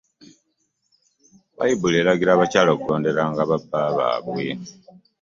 Bayibuli eragira abakyala okugondera nga babbabwe.